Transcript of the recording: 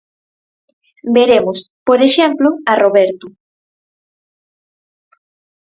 Veremos, por exemplo, a Roberto.